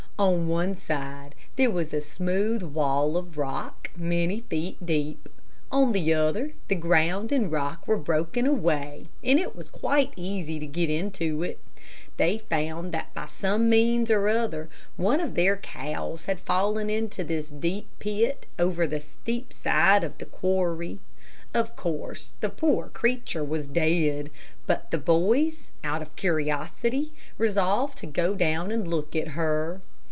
On one side there was a smooth wall of rock, many feet deep. On the other the ground and rock were broken away, and it was quite easy to get into it. They found that by some means or other, one of their cows had fallen into this deep pit, over the steep side of the quarry. Of course, the poor creature was dead, but the boys, out of curiosity, resolved to go down and look at her.